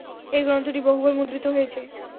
এই গ্রন্থটি বহুবার মুদ্রিত হয়েছে।